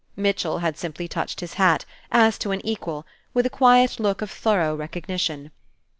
Mitchell had simply touched his hat, as to an equal, with a quiet look of thorough recognition.